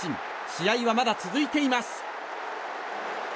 試合はまだ続いています。